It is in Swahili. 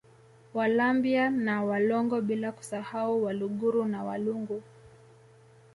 Walambya na Walongo bila kusahau Waluguru na Walungu